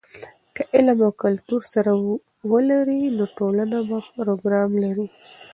که علم او کلتور سره ولري، نو ټولنه ښه پروګرام لري.